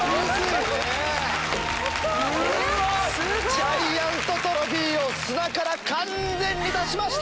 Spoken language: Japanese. ジャイアントトロフィーを砂から完全に出しました！